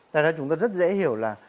tại ra chúng ta rất dễ hiểu là